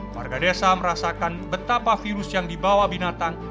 warga desa merasakan betapa virus yang dibawa binatang